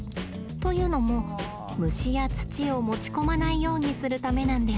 というのも虫や土を持ち込まないようにするためなんです。